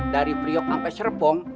dari priok sampe serepong